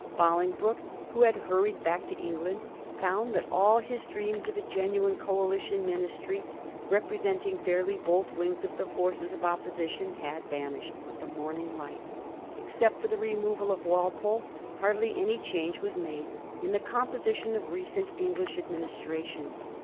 Bolingbroke, who had hurried back to England, found that all his dreams of a genuine Coalition Ministry, representing fair ly both wings of the forces of Opposition, had vanished with the morning light. Except for the removal of Wal pole, hardly any change was made in the composition of recent English administration.